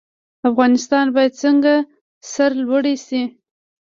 افغانستان باید څنګه سرلوړی شي؟